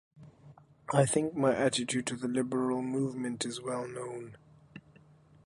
I think my attitude to the Liberal Movement is well known.